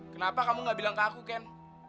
kenapa kamu gak bilang ke aku ken